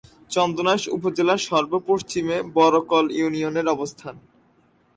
চন্দনাইশ উপজেলার সর্ব-পশ্চিমে বরকল ইউনিয়নের অবস্থান।